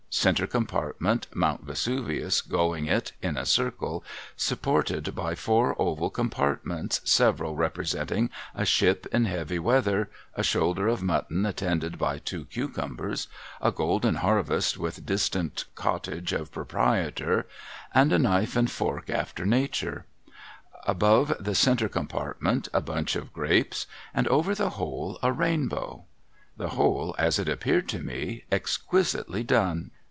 Centre compartment, Mount Vesuvius going it (in a circle), supported by four oval compartments, severally representing a ship in heavy weather, a shoulder of mutton attended by two cucumbers, a golden harvest with distant cottage of proprietor, and a knife and fork after nature ; above the centre compartment a bunch of grapes, and over the whole a rainbow. The whole, as it appeared to me, exquisitely done.